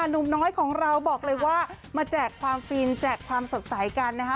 หนุ่มน้อยของเราบอกเลยว่ามาแจกความฟินแจกความสดใสกันนะคะ